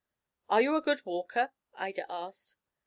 "Are you a good walker?" Ida asked.